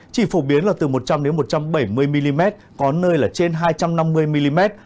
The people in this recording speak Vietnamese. chỉ phổ biến là từ một trăm linh một trăm bảy mươi mm có nơi là trên hai trăm năm mươi mm